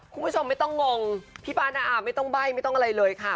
คุณผู้ชมไม่ต้องงงพี่ป้าน้าอาไม่ต้องใบ้ไม่ต้องอะไรเลยค่ะ